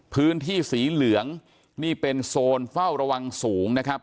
พื้นที่สีเหลืองนี่เป็นโซนเฝ้าระวังสูงนะครับ